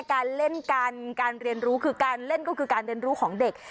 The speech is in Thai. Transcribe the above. การเล่นการการเรียนรู้คือการเล่นก็คือการเรียนรู้ของเด็ก